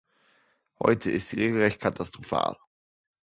Heute ist sie regelrecht katastrophal.